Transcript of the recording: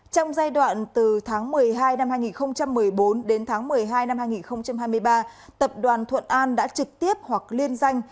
trong giai đoạn từ tháng một mươi hai năm hai nghìn một mươi bốn đến tháng một mươi hai năm hai nghìn hai mươi ba tập đoàn thuận an đã trực tiếp hoặc liên danh